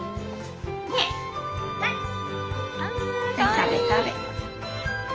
食べ食べ。